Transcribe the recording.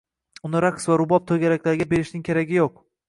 uni raqs va rubob to‘garakalariga berishning keragi yo‘q.